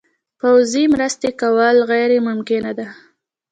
پوځي مرستې کول غیر ممکنه ده.